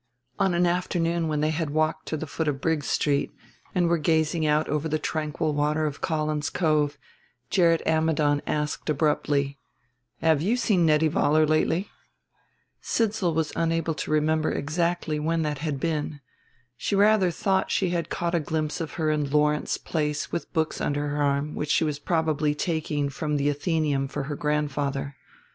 On an afternoon when they had walked to the foot of Briggs Street, and were gazing out over the tranquil water of Collins Cove, Gerrit Ammidon asked abruptly: "Have you seen Nettie Vollar lately?" Sidsall was unable to remember exactly when that had been. She rather thought she had caught a glimpse of her in Lawrence Place with books under her arm which she was probably taking from the Athenaeum for her grandfather.